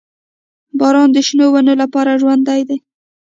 • باران د شنو ونو لپاره ژوند دی.